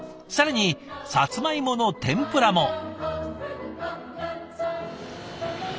更にサツマイモの天ぷらも。